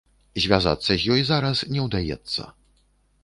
Звязацца з ёй зараз не ўдаецца.